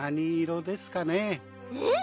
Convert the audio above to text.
えっ？